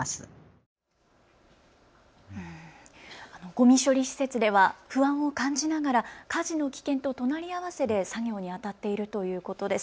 ごみ処理施設では不安を感じながら火事の危険と隣り合わせで作業にあたっているということです。